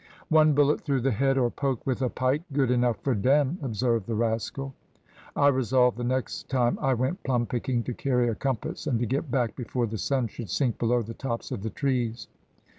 "`One bullet through the head or poke with a pike, good enough for dem,' observed the rascal. "I resolved the next time I went plum picking to carry a compass, and to get back before the sun should sink below the tops of the trees.